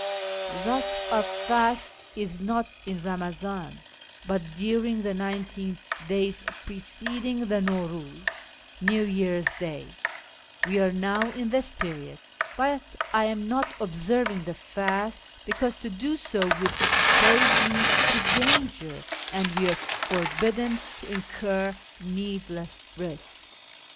Thus our fast is not in Eamazan, but during the nineteen days preceding the Naxor^iiz (New Year's Day ); we are now in this period, but I am not observing the fast, because to do so would expose me to danger, and we are forbidden to incur needless risk.